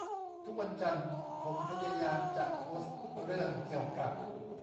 ทุกวันจันทร์ผมพยายามจะโพสเรื่องเกี่ยวกับ